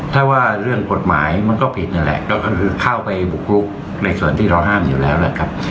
ถ้าว่าเรื่องกฎหมายมันก็ผิดนั่นแหละก็คือเข้าไปบุกรุกในส่วนที่เราห้ามอยู่แล้วนะครับ